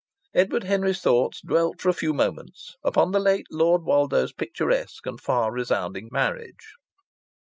Edward Henry's thoughts dwelt for a few moments upon the late Lord Woldo's picturesque and far resounding marriage.